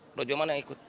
projo mana yang ikut